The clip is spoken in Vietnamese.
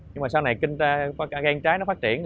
nhưng sau này gan trái nó phát triển